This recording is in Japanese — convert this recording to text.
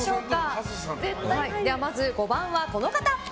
まず、５番はこの方。